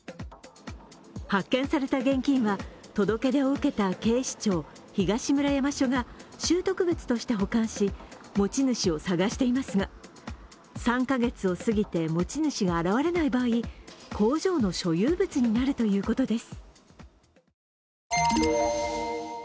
発見された現金は届け出を受けた警視庁東村山暑が拾得物として保管し、持ち主を捜していますが３カ月を過ぎて持ち主が現れない場合工場の所有物になるということです。